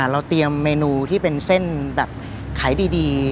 เราเตรียมเมนูที่เป็นเส้นแบบขายดี